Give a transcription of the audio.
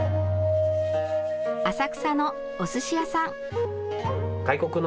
浅草のおすし屋さん。